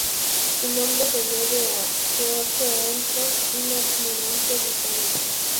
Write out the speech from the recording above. Su nombre se debe a George Anson, un almirante británico.